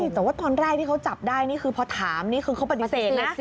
แต่ว่าตอนแรกที่เขาจับได้นี่คือพอถามนี่คือเขาปฏิเสธนะ